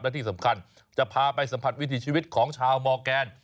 และที่สำคัญจะพาไปสัมผัสวิถีชีวิตของชาวมอร์แกน